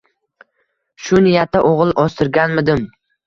Shu niyatda oʻgʻil oʻstirganmidim?